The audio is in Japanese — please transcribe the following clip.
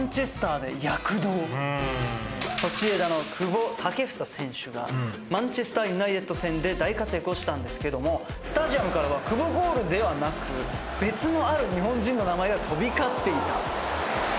ソシエダの久保建英選手がマンチェスター・ユナイテッド戦で大活躍をしたんですけどもスタジアムからは久保コールではなく別のある日本人の名前が飛び交っていたってことなんです。